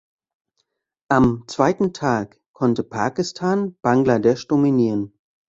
Am zweiten Tag konnte Pakistan Bangladesch dominieren.